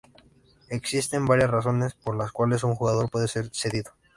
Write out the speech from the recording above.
Existen varias razones por las cuales un jugador puede ser cedido.